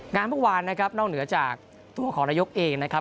เมื่อวานนะครับนอกเหนือจากตัวของนายกเองนะครับ